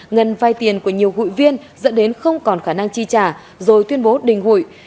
ngân vai tiền của nhiều hội viên dẫn đến không còn khả năng chi trả rồi tuyên bố đình hội